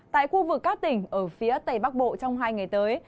tại khu vực các tỉnh ở phía tây bắc bộ trong hai ngày tới